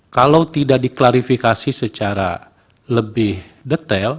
kalau tidak diklarifikasi secara lebih detail